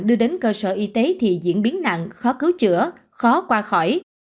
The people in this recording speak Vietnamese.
đưa đến cơ sở y tế thì diễn biến nặng khó cứu chữa khó qua khỏi